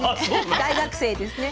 大学生ですね。